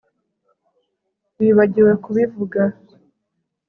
Wibagiwe kubivuga